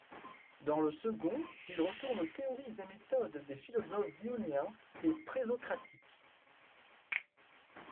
Dans le second, il retourne aux théories et méthodes des philosophes ioniens et présocratiques.